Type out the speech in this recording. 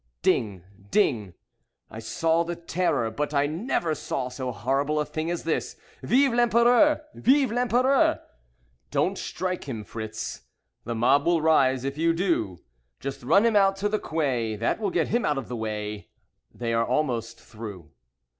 Ding! Ding! "I saw the Terror, but I never saw so horrible a thing as this. 'Vive l'Empereur! Vive l'Empereur!'" "Don't strike him, Fritz. The mob will rise if you do. Just run him out to the 'quai', That will get him out of the way. They are almost through."